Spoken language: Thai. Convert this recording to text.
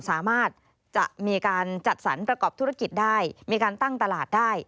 สามารถจะมีการจัดสรรประกอบธุรกิจได้มีการตั้งตลาดได้